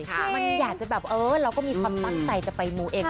คือมันอยากจะแบบเออเราก็มีความตั้งใจจะไปมูเอง